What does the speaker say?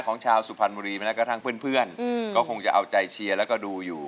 ของชาวสุพรรณบุรีแม้กระทั่งเพื่อนก็คงจะเอาใจเชียร์แล้วก็ดูอยู่